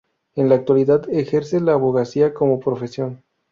En la actualidad ejerce la abogacía como profesión.